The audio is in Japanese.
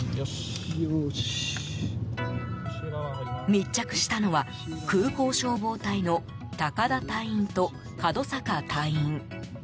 密着したのは、空港消防隊の高田隊員と門阪隊員。